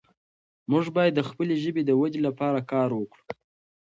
موږ باید د خپلې ژبې د ودې لپاره کار وکړو.